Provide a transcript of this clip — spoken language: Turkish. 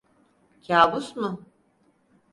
Kabus mu?